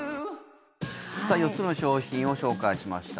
４つの商品を紹介しました。